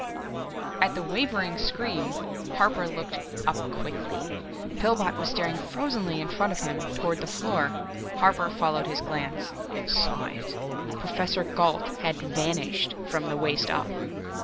At the wavering scream, Harper looked up quickly. Pillbot was staring frozenly in front of him, toward the floor. Harper followed his glance and saw it. Professor Gault had vanished from the waist up.